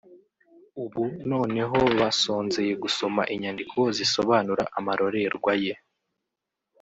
ubu noneho basonzeye gusoma inyandiko zisobanura amarorerwa ye